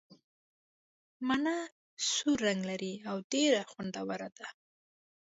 مڼه سور رنګ لري او ډېره خوندوره ده.